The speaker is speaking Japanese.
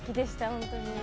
本当に。